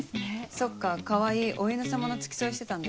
そっか川合お犬様の付き添いしてたんだよね。